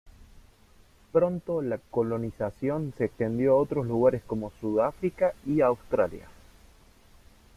Pronto la colonización se extendió a otros lugares como Sudáfrica y Australia.